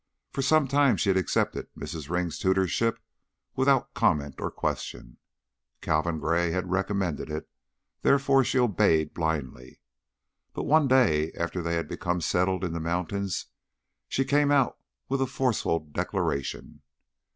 For some time she had accepted Mrs. Ring's tutorship without comment or question Calvin Gray had recommended it, therefore she obeyed blindly but one day, after they had become settled in the mountains, she came out with a forceful declaration.